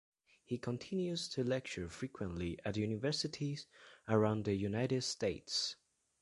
He continues to lecture frequently at universities around the United States.